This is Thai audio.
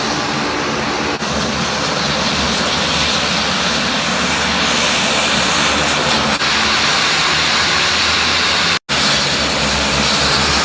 สุดท้ายสุดท้ายสุดท้าย